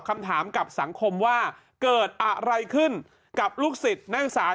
คำถามกับสังคมว่าเกิดอะไรขึ้นกับลูกศิษย์นักศึกษา